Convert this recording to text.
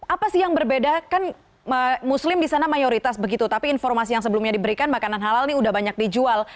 apa sih yang berbeda kan muslim di sana mayoritas begitu tapi informasi yang sebelumnya diberikan makanan halal ini sudah banyak dijual